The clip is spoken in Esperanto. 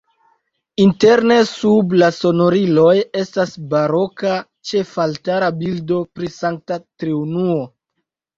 Interne sub la sonoriloj estas baroka ĉefaltara bildo pri Sankta Triunuo.